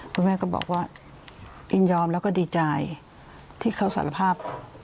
คุณแม่ก็บอกว่ายินยอมแล้วก็ดีใจที่เขาสารภาพ